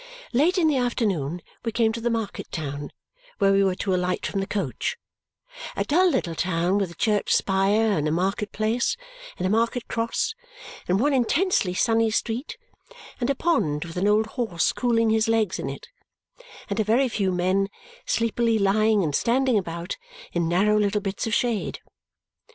Late in the afternoon we came to the market town where we were to alight from the coach a dull little town with a church spire, and a marketplace, and a market cross, and one intensely sunny street, and a pond with an old horse cooling his legs in it, and a very few men sleepily lying and standing about in narrow little bits of shade.